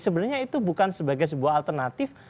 sebenarnya itu bukan sebagai sebuah alternatif